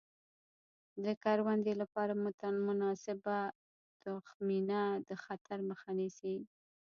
د کروندې لپاره مناسبه تخمینه د خطر مخه نیسي.